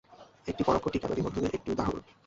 এটি পরোক্ষ ঠিকানা নিবন্ধনের একটি উদাহরণ।